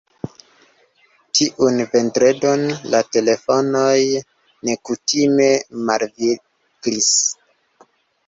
Tiun vendredon la telefonoj nekutime malviglis.